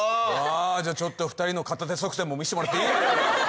じゃあ２人の片手側転も見せてもらっていい？